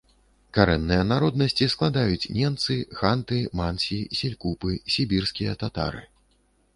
Карэнныя народнасці складаюць ненцы, ханты, мансі, селькупы, сібірскія татары.